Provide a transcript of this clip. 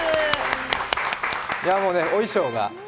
もうね、お衣装が。